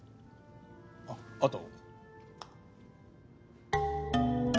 あっあと。